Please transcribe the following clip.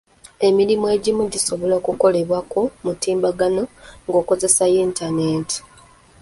Emirimu egimu gisobola okukolebwa ku mutimbagano ng'okozesa yintaneeti.